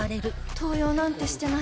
盗用なんてしてない。